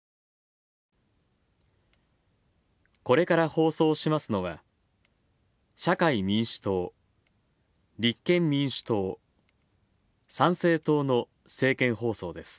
これから放送しますのは、社会民主党立憲民主党参政党の政見放送です。